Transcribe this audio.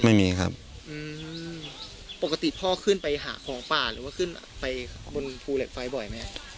ไม่มีครับอืมปกติพ่อขึ้นไปหาของป่าหรือว่าขึ้นไปบนภูเหล็กไฟบ่อยไหม